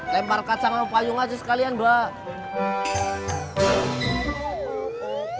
lempar kacang sama payung aja sekalian mbak